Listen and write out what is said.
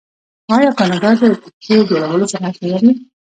آیا کاناډا د کښتیو جوړولو صنعت نلري؟